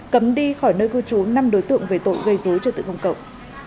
cấm đi khỏi nơi cư trú năm đối tượng về tội gây dối cho tự công cộng